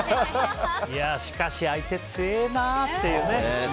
しかし、相手つええなっていうね。